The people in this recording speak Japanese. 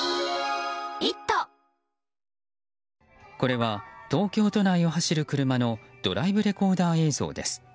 これは東京都内を走る車のドライブレコーダー映像です。